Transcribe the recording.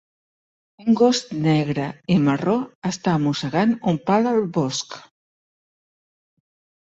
Un gos negre i marró està mossegant un pal al bosc.